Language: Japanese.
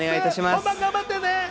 本番、頑張ってね！